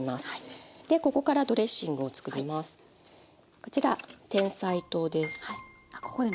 こちらてんさい糖です。